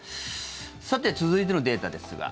さて、続いてのデータですが。